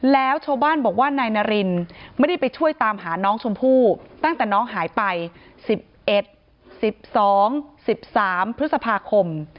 แล้วชาวบ้านบอกว่านายนารินไม่ได้ไปช่วยตามหาน้องชมพู่ตั้งแต่น้องหายไป๑๑๑๒๑๓พฤษภาคม